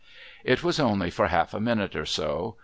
It was only fur half a minute or so.